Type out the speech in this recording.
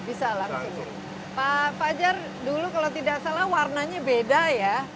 pak fajar dulu kalau tidak salah warnanya beda ya